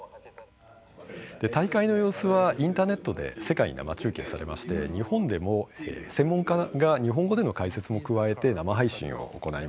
大会の様子はインターネットで世界、生中継されまして日本でも専門家が日本語での解説も加えて生配信を行いました。